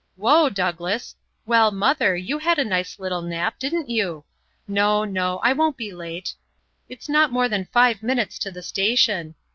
("Whoa, Douglas. Well mother, you had a nice little nap, didn't you. No, no; I won't be late. It's not more than five minutes to the station.